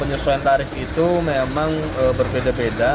penyesuaian tarif itu memang berbeda beda